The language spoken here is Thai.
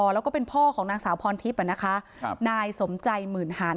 แล้วก็เป็นพ่อของนางสาวพรทิพย์นายสมใจหมื่นหาน